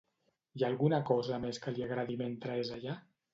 Hi ha alguna cosa més que li agradi mentre és allà?